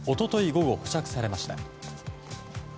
午後、保釈されました。